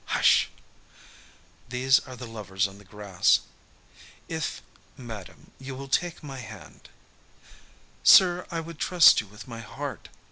Hush! These are the lovers on the grass. "If, madam, you will take my hand " "Sir, I would trust you with my heart.